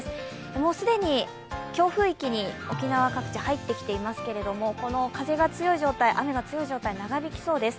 もう既に強風域に沖縄各地入ってきていますけれどもこの風が強い状態、雨が強い状態は長引きそうです。